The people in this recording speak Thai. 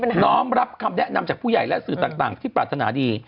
พร้อมรับคำแนะนำจากผู้ใหญ่และสื่อต่างที่ปรารถนาดี